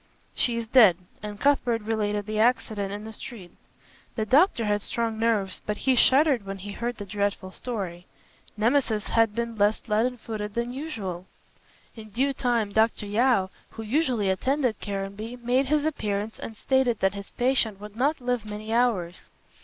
"She is dead," and Cuthbert related the accident in the street. The doctor had strong nerves, but he shuddered when he heard the dreadful story. Nemesis had been less leaden footed than usual. In due time Dr. Yeo, who usually attended Caranby, made his appearance and stated that his patient would not live many hours.